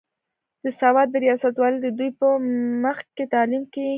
د سوات د رياست والي د دوي پۀ مخکښې تعليم کښې